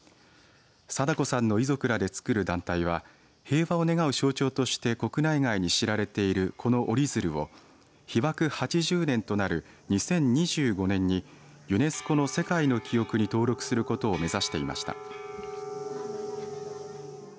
禎子さんの遺族らでつくる団体は平和を願う象徴として国内外に知られているこの折り鶴を被爆８０年となる２０２５年にユネスコの世界の記憶に登録することを目指していました。